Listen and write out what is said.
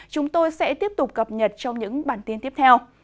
chúng tôi sẽ tiếp tục cập nhật trong những bản tin tiếp theo